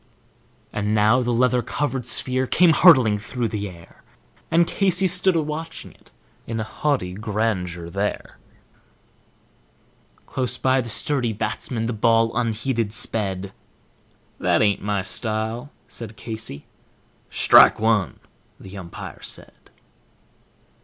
And now the leather covered sphere came hurtling through the air, And Casey stood a watching it in haughty grandeur there, Close by the sturdy batsman the ball unheeded sped "That ain't my style," said Casey. "Strike one," the umpire said.